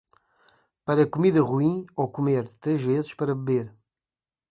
Para comida ruim ou comer, três vezes para beber.